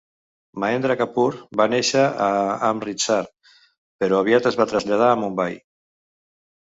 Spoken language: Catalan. Mahendra Kapoor va néixer a Amritsar, però aviat es va traslladar a Mumbai.